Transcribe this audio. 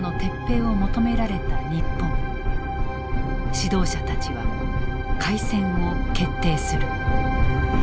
指導者たちは開戦を決定する。